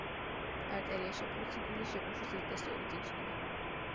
არტერიაში პულსი გულის შეკუმშვის ინტენსივობით იგრძნობა.